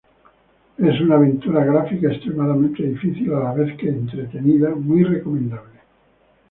Es una aventura gráfica extremadamente difícil a la vez que entretenida, muy recomendable.